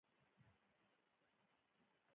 په کورنۍ کي باید د مشرانو او کشرانو ترمنځ صميميت وي.